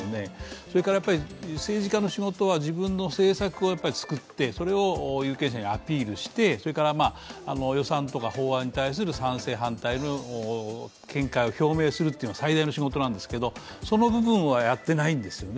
それから政治家の仕事は自分の政策を作ってそれを有権者にアピールして予算とか法案に対する反対・賛成の見解を表明するというのが最大の仕事なんですけどその部分はやってないんですよね。